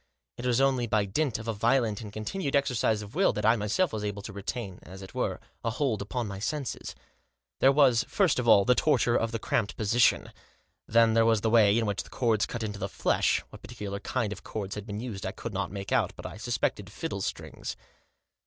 It was only by dint of a violent and continued exercise of will that I myself was able to retain, as it were, a hold upon my senses. There was, first of all, the torture of the cramped position. Then there was the way in which the cords cut into the flesh — what particular kind of cords had been used I could not make out, but I suspected fiddle strings.